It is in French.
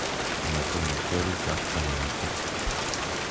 On appelle un tel état un mélange statistique.